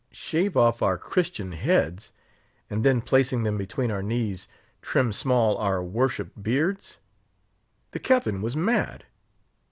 Shave off our Christian heads! And then, placing them between our knees, trim small our worshipped beards! The Captain was mad.